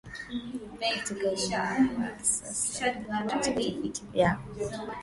katika ulimwengu wa kisasa ndio kitu cha utafiti na wanasayansi